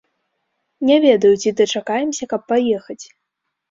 Не ведаю, ці дачакаемся, каб паехаць.